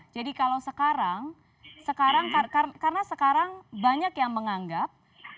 jadi kalau sekarang karena sekarang banyak yang menganggap